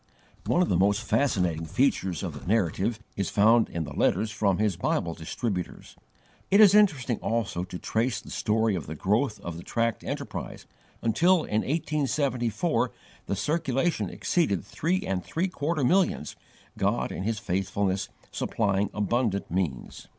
One of the most fascinating features of the Narrative is found in the letters from his Bible distributors. It is interesting also to trace the story of the growth of the tract enterprise, until, in 1874, the circulation exceeded three and three quarter millions, God in His faithfulness supplying abundant means.